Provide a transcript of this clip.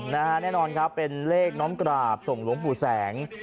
แน่นอนครับเป็นเลขน้อมกราบส่งหลวงปู่แสง